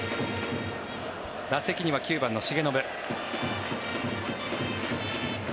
打席には９番の重信。